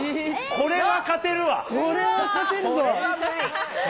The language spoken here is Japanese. これは勝てるぞ。